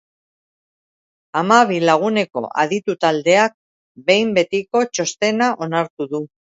Hamabi laguneko aditu taldeak behin betiko txostena onartu du.